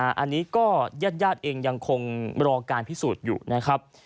อันนี้ก็ญาติเองยังคงรอการพิสูจน์อยู่นะครับ